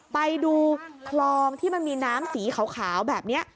ไปดูคลองที่มันมีน้ำสีขาวแบบนี้